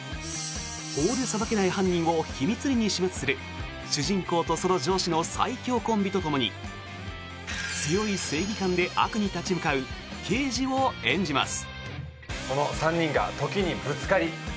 法で裁けない犯人を秘密裏に始末する主人公とその上司の最凶コンビとともに強い正義感で悪に立ち向かう刑事を演じます。